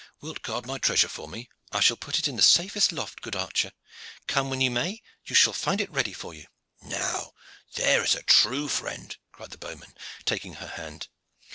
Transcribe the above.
Wilt guard my treasure for me?" "It shall be put in the safest loft, good archer. Come when you may, you shall find it ready for you." "Now, there is a true friend!" cried the bowman, taking her hand.